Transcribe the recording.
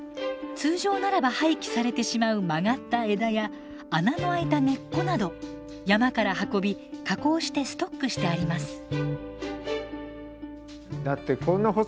通常ならば廃棄されてしまう曲がった枝や穴のあいた根っこなど山から運び加工してストックしてあります。